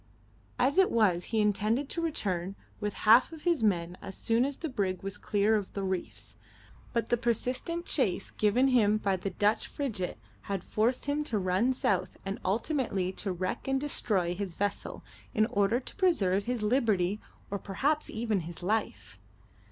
As it was he intended to return with half of his men as soon as the brig was clear of the reefs, but the persistent chase given him by the Dutch frigate had forced him to run south and ultimately to wreck and destroy his vessel in order to preserve his liberty or perhaps even his life.